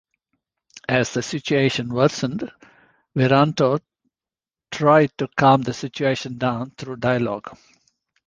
As the situation worsened, Wiranto tried to calm the situation down through dialogue.